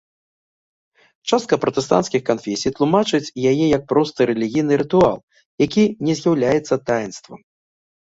Частка пратэстанцкіх канфесій тлумачыць яе як просты рэлігійны рытуал, які не з'яўляецца таінствам.